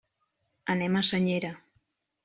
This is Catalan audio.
Anem a Senyera.